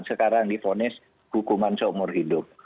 sekarang difonis hukuman seumur hidup